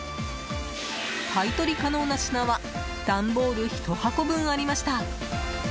買い取り可能な品は段ボール１箱分ありました。